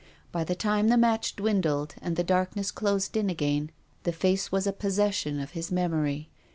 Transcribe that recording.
By the time the match dwindled and the blackness closed in again the face was a possession of his memory.